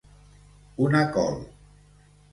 Una col